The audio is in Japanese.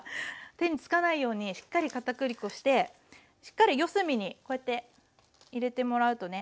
手につかないようにしっかりかたくり粉してしっかり四隅にこうやって入れてもらうとね。